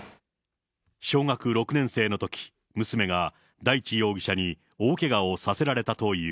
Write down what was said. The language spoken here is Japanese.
小学６年生のとき、娘が大地容疑者に大けがをさせられたという。